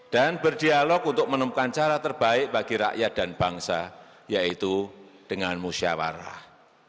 dan berdialog untuk menemukan cara terbaik bagi rakyat dan bangsa yaitu dengan musyawarah